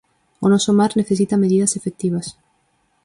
O noso mar necesita medidas efectivas.